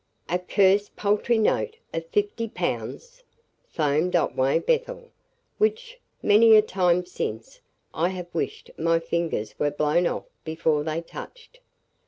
"'A cursed paltry note of fifty pounds!' foamed Otway Bethel, 'which, many a time since, I have wished my fingers were blown off before they touched.